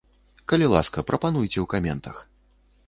Калі ласка, прапануйце ў каментах.